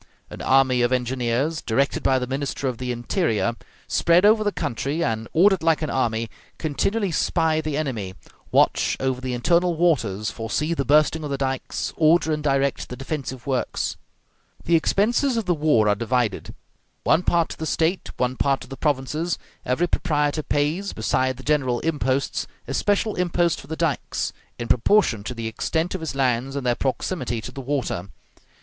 An army of engineers, directed by the Minister of the Interior, spread over the country, and, ordered like an army, continually spy the enemy, watch over the internal waters, foresee the bursting of the dikes, order and direct the defensive works. The expenses of the war are divided, one part to the State, one part to the provinces; every proprietor pays, beside the general imposts, a special impost for the dikes, in proportion to the extent of his lands and their proximity to the water.